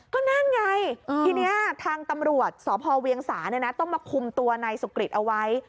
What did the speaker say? ก็นั่นไงทีนี้ทางตำรวจสพเวียงสาต้องมาคุมตัวนายสุกริตเอาไว้